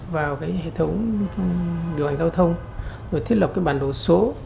vào cái hệ thống điều hành giao thông rồi thiết lập cái bản đồ số